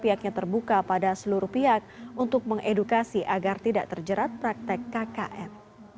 pihaknya terbuka pada seluruh pihak untuk mengedukasi agar tidak terjerat praktek kkn